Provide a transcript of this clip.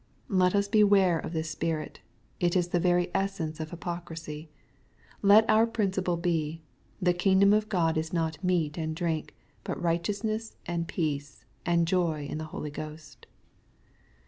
Let us beware of this spirit. It is the very essence of hypocrisy. Let our principle be :" the kingdom of God is not meat and drink, but righteousness and peace, and joy in the Holy Ghost."